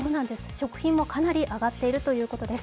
食品もかなり上がっているということです。